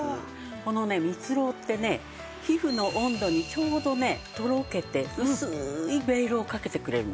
このねミツロウってね皮膚の温度にちょうどねとろけて薄いベールをかけてくれるの。